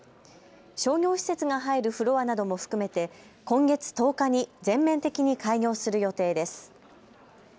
商業施設が入るフロアなども含めて今月１０日に全面的に開業する予定です。